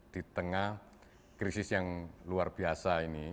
di tengah krisis yang luar biasa ini